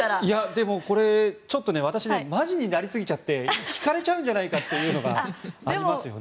でも、ちょっと私マジになりすぎちゃって引かれちゃうんじゃないかっていうのがありますよね。